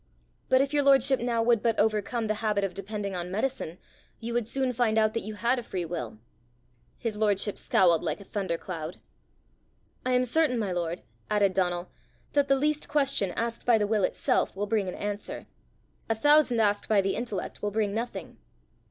But if your lordship now would but overcome the habit of depending on medicine, you would soon find out that you had a free will." His lordship scowled like a thunder cloud. "I am certain, my lord," added Donal, "that the least question asked by the will itself, will bring an answer; a thousand asked by the intellect, will bring nothing."